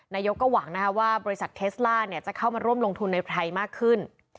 นายกก็หวังนะคะว่าบริษัทเทสล่าจะเข้ามาร่วมลงทุนในไทยมากขึ้น